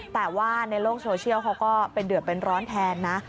แต่ว่าในโลกโซเชียลเขาก็เป็นเดือดเป็นร้อนแทนนะ